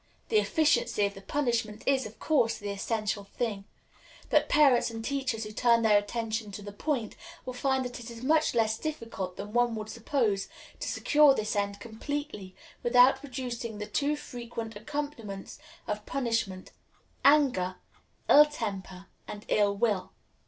The efficiency of the punishment is, of course, the essential thing; but parents and teachers who turn their attention to the point will find that it is much less difficult than one would suppose to secure this end completely without producing the too frequent accompaniments of punishment anger, ill temper, and ill will.